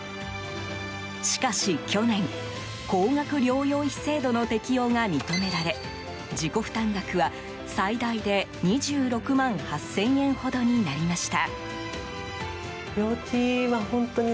しかし去年高額療養費制度の適用が認められ自己負担額は、最大で２６万８０００円ほどになりました。